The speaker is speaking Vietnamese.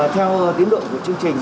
theo tiến độ của chương trình